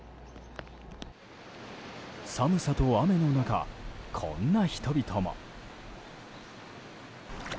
寒さと雨の中、こんな人々も。